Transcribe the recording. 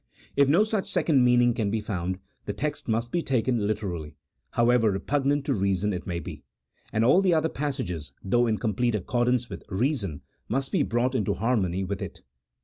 If no such second meaning can be found, the text must be taken literally, however repugnant to reason it may be : and all the other passages, though in complete accordance with reason, must be brought into harmony with it.